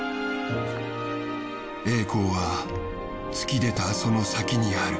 栄光は突き出たその先にある。